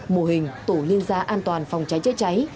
mô hình tổ liên gia an toàn phòng cháy chữa cháy